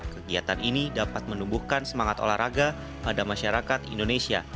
kegiatan ini dapat menumbuhkan semangat olahraga pada masyarakat indonesia